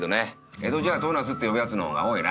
江戸じゃ唐茄子って呼ぶやつの方が多いな。